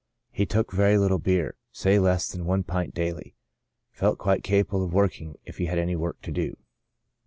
He took very little beer, say less than one pint daily ; felt quite capable of working if he had any work to do.